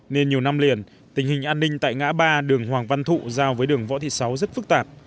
nên nhiều năm liền tình hình an ninh tại ngã ba đường hoàng văn thụ giao với đường võ thị sáu rất phức tạp